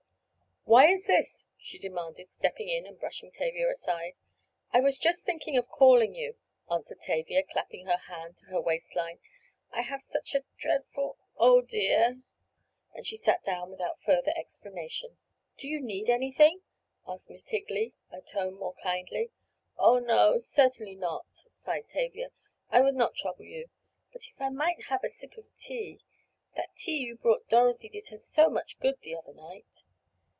"Why is this?" she demanded, stepping in and brushing Tavia aside. "I was just thinking of calling you," answered Tavia, clapping her hand to her waist line. "I have such a dreadful—Oh, dear!" and she sat down without further explanation. "Do you need anything?" asked Miss Higley, her tone more kindly. "Oh, no; certainly not," sighed Tavia. "I would not trouble you. But if I might have a sip of tea—that tea you brought Dorothy did her so much good the other night."